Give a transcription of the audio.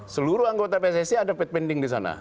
seluruh anggota pssc ada paid pending di sana